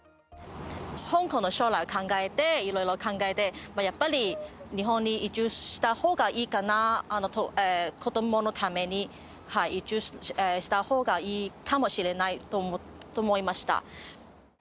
香港の将来を考えて、いろいろ考えて、やっぱり日本に移住したほうがいいかな、子どものために移住したほうがいいかもしれないと思いました。